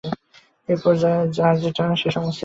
এইরূপ যার যে-টান, সে সমস্তই তিনি।